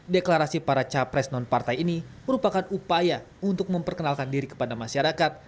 deklarasi para capres non partai ini merupakan upaya untuk memperkenalkan diri kepada masyarakat